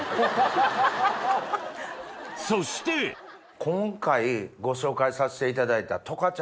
そして今回ご紹介させていただいた。